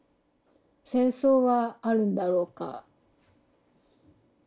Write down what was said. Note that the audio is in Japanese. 戦争はあるんだろうか。